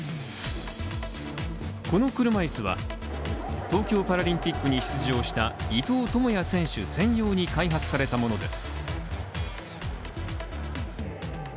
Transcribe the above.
この車椅子は東京パラリンピックに出場した選手専用に開発されたものです。